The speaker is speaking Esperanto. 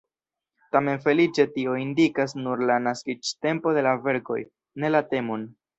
Tamen feliĉe tio indikas nur la naskiĝtempon de la verkoj, ne la temon.